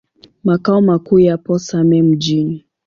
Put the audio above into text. Makao makuu yapo Same Mjini.